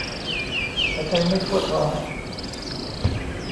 หายใจไม่ทั่วท้อง